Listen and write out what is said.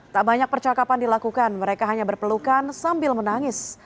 tak banyak percakapan dilakukan mereka hanya berpelukan sambil menangis